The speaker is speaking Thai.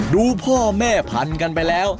ดูพ่อแม่พันกันไปแล้ว